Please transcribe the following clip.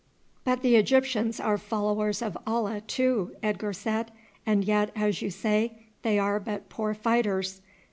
] "But the Egyptians are followers of Allah too," Edgar said, "and yet, as you say, they are but poor fighters.